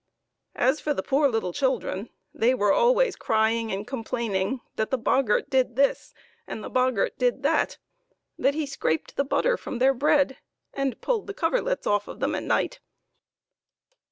As for the poor little children, they were always crying and complaining that' the boggart did this and the boggart did that ; that he scraped the butter from their bread and pulled the coverlids off of them at night.